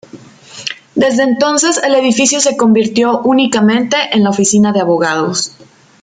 Desde entonces el edificio se convirtió únicamente en la oficina de abogados.